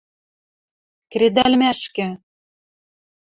кредӓлмӓшкӹ.